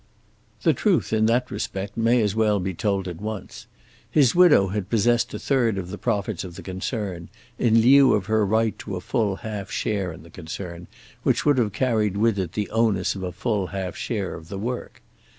The truth in that respect may as well be told at once. His widow had possessed a third of the profits of the concern, in lieu of her right to a full half share in the concern, which would have carried with it the onus of a full half share of the work.